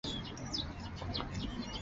乾隆三年十一月初五日。